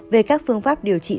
về các phương pháp điều trị này